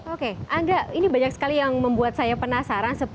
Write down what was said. oke angga ini banyak sekali yang membuat saya penasaran